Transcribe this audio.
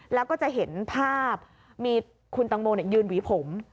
แล้วก็จะเห็นภาพมีคุณตังโมยืนหวีผม